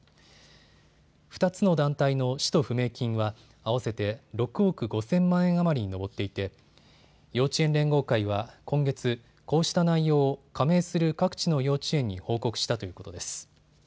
２つの団体の使途不明金は合わせて６億５０００万円余りに上っていて幼稚園連合会は今月、こうした内容を加盟する各地の幼稚園に報告したということです。